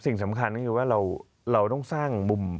สิ่งสำคัญก็คือว่าเราต้องสร้างมุม